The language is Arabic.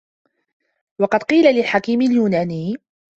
وَقَدْ قِيلَ لِلْحَكِيمِ الْيُونَانِيِّ